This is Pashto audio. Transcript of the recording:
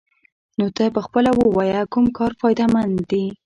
نو ته پخپله ووايه كوم كار فايده مند دې؟